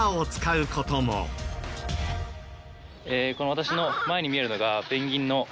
私の前に見えるのが。